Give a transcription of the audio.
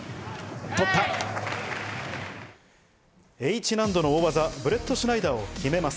Ｈ難度の大技、ブレットシュナイダーを決めます。